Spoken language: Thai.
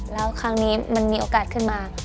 แล้วครั้งนี้มันมีโอกาสขึ้นมา